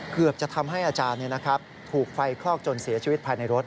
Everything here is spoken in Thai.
เกือบจะทำให้อาจารย์ถูกไฟคลอกจนเสียชีวิตภายในรถ